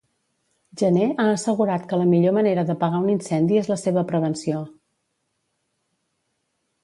Jané ha assegurat que la millor manera d'apagar un incendi es la seva prevenció.